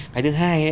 cái thứ hai